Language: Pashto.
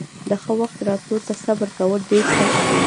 د ښه وخت راتلو ته صبر کول ډېر سخت دي.